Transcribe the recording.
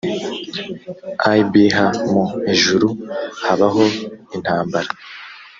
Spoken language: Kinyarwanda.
ibh mu ijuru habaho intambara